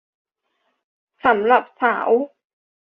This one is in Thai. สำหรับสาว